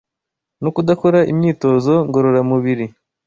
no kudakora imyitozo ngororamubiri